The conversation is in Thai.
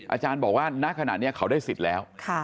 อาจารย์บอกว่าณขณะนี้เขาได้สิทธิ์แล้ว